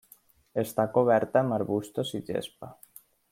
Està coberta amb arbustos i gespa.